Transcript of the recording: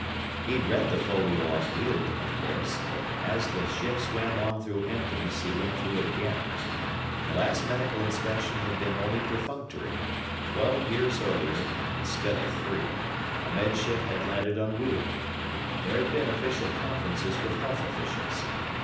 He'd read the folio on Weald, of course, but as the ship swam onward through emptiness he went through it again. The last medical inspection had been only perfunctory. Twelve years earlier instead of three a Med Ship had landed on Weald. There had been official conferences with health officials.